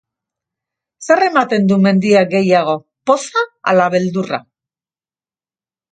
Zer ematen du mendiak gehiago, poza ala beldurra?